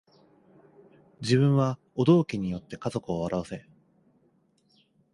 自分はお道化に依って家族を笑わせ